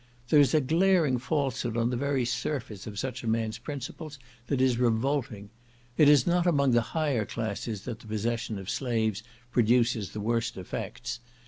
There is a glaring falsehood on the very surface of such a man's principles that is revolting. It is not among the higher classes that the possession of slaves produces the worst effects.